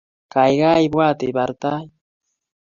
Kaikai ipwat ipar tait